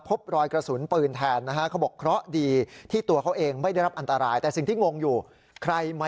มีไหมมีศักดิ์รายไหม